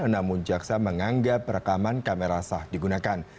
namun jaksa menganggap rekaman kamera sah digunakan